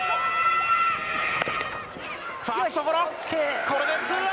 ファーストゴロ。